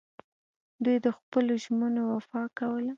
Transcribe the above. دوی د خپلو ژمنو وفا کوله